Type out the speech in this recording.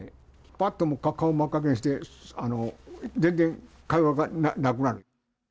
ぱっと顔真っ赤にして、全然会話がなくなる。